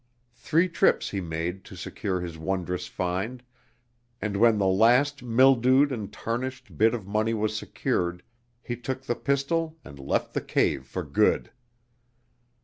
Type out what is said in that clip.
Three trips he made to secure his wondrous find, and when the last mildewed and tarnished bit of money was secured, he took the pistol and left the cave for good.